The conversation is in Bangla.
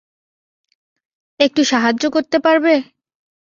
একটু সাহায্য করতে পারবে?